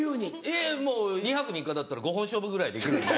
いやいやもう２泊３日だったら５本勝負ぐらいできるんで。